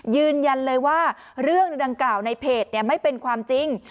ยืนยันเลยว่าเรื่องดังกล่าวในเพจไม่เป็นความจริง